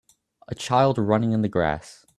A child running in the grass